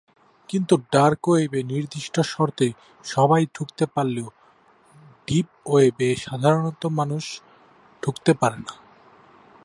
কিন্তু ডার্ক ওয়েবে নির্দিষ্ট শর্তে সবাই ঢুকতে পারলেও, "ডিপ ওয়েব"-এ সাধারণ মানুষ ঢুকতে পারে না।